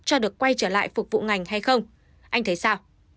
cho được quay trở lại phục vụ ngành hay không anh thấy sao